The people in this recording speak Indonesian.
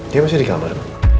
dia masih di kamar